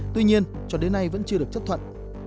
tuy nhiên cho đến nay vẫn chưa được chấp thuận